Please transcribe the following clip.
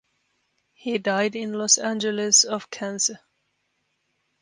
He died in Los Angeles of cancer.